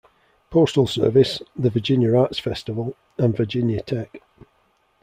Postal Service, the Virginia Arts Festival and Virginia Tech.